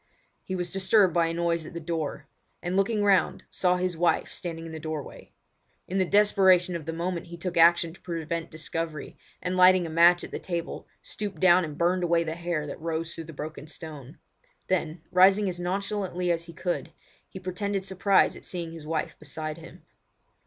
He was disturbed by a noise at the door, and looking round, saw his wife standing in the doorway. In the desperation of the moment he took action to prevent discovery, and lighting a match at the lamp, stooped down and burned away the hair that rose through the broken stone. Then rising nonchalantly as he could, he pretended surprise at seeing his wife beside him.